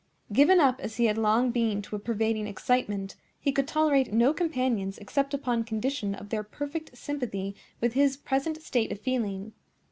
Given up as he had long been to a pervading excitement, he could tolerate no companions except upon condition of their perfect sympathy with his present state of feeling.